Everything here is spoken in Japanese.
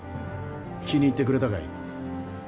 気に入ってくれたかい？